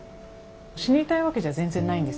死にたいわけじゃ全然ないんですよ。